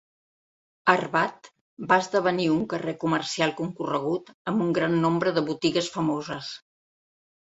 Arbat va esdevenir un carrer comercial concorregut amb un gran nombre de botigues famoses.